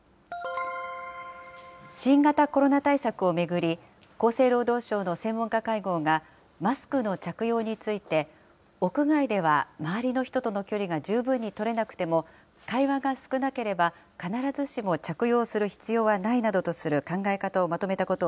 新型コロナ対策を巡り、厚生労働省の専門家会合が、マスクの着用について、屋外では周りの人との距離が十分に取れなくても、会話が少なければ、必ずしも着用する必要はないなどとする考え方をまとめたこと